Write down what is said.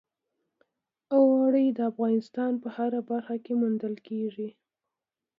اوړي د افغانستان په هره برخه کې موندل کېږي.